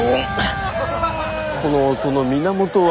この音の源は。